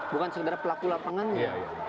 bukan sekedar pelaku lapangannya